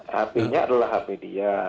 hp nya adalah hp dia